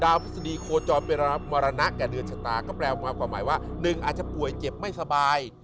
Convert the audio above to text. พฤษฎีโคจรเป็นมรณะแก่เดือนชะตาก็แปลว่าความหมายว่าหนึ่งอาจจะป่วยเจ็บไม่สบาย